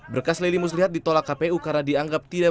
berkas lili muslihat ditolak kpu karena dianggap tidak